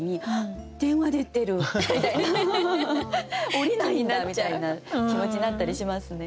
「降りないんだ」みたいな気持ちになったりしますね。